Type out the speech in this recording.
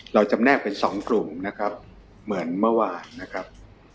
เราจำแนกเป็น๒กลุ่มเหมือนเมื่อวานนะครับ